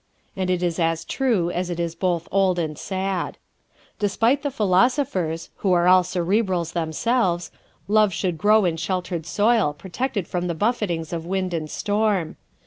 ¶ And it is as true as it is both old and sad. Despite the philosophers who are all Cerebrals themselves! love should grow in sheltered soil, protected from the buffetings of wind and storm.